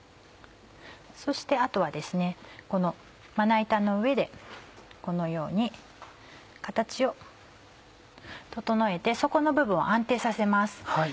そしてあとはこのまな板の上でこのように形を整えて底の部分を安定させます。